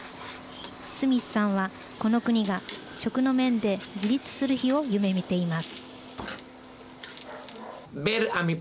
スミスさんはこの国が食の面で自立する日を夢見ています。